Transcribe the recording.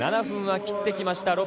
７分は切ってきました